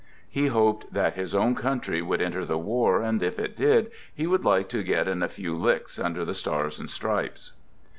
He hoped that his own country would enter the war, and if it did, he would like to " get in a few licks " under the Stars and Stripes.